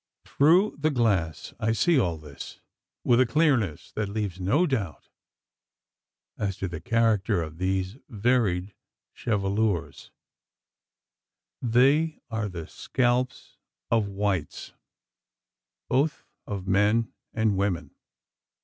Through the glass I see all this, with a clearness that leaves no doubt as to the character of these varied chevelures. They are the scalps of whites both of men and women!